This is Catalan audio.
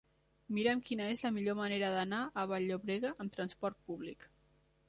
Mira'm quina és la millor manera d'anar a Vall-llobrega amb trasport públic.